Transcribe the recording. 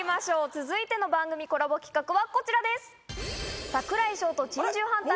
続いての番組コラボ企画はこちらです。